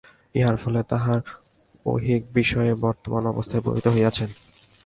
ইহার ফলে তাঁহারা ঐহিক বিষয়ে বর্তমান অবস্থায় পতিত হইয়াছেন।